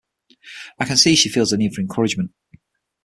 I can see she feels the need for encouragement.